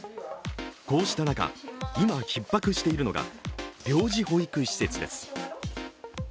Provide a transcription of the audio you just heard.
こうした中、今ひっ迫しているのが病児保育施設です。